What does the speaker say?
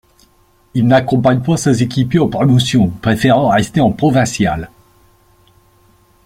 Il n'accompagne pas ses équipiers en Promotion, préférant rester en provinciales.